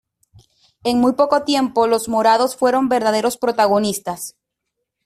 En muy poco tiempo, los morados fueron verdaderos protagonistas.